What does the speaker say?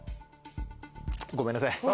ごめんなさい。